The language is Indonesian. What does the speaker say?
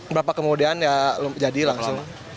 berapa kemudian ya jadi langsung